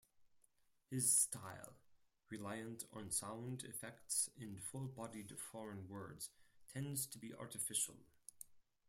His style, reliant on sound effects and full-bodied foreign words, tends to be artificial.